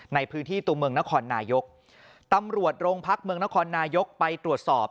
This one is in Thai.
ในพื้นที่ตัวเมืองนครนายกตำรวจโรงพักเมืองนครนายกไปตรวจสอบ